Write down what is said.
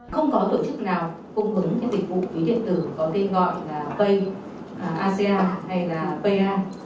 không có tổ chức nào cung hứng những dịch vụ ví điện tử có tên gọi là payasia hay là paya